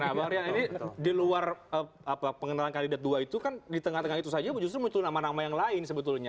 nah bang arya ini di luar pengenalan kandidat dua itu kan di tengah tengah itu saja justru muncul nama nama yang lain sebetulnya